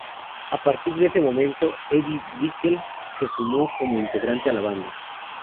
A partir de este momento, Edie Brickell se sumó como integrante a la banda.